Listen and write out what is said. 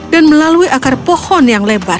dan melalui akar pohon yang lebar